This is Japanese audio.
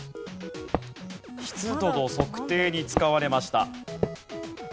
湿度の測定に使われました。